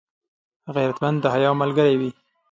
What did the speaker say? غیرتمند د حیا ملګری وي